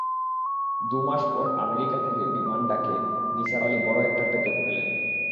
দু, মাস পর আমেরিকা থেকে বিমান-ড়াকে নিসার আলি বড় একটা প্যাকেট পেলেন।